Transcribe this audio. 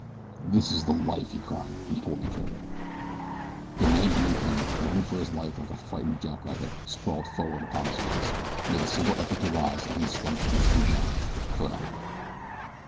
"This is the life!" he cried, and pulled the trigger. The man beneath him, running for his life like a frightened jackrabbit, sprawled forward upon his face, made a single effort to rise and then slumped limply down, forever.